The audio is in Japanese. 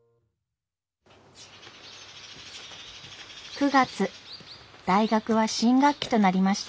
９月大学は新学期となりました。